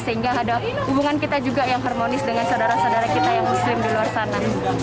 sehingga ada hubungan kita juga yang harmonis dengan saudara saudara kita yang muslim di luar sana